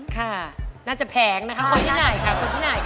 ค่ะน่าจะแพงนะคะคนที่ไหนค่ะคนที่ไหน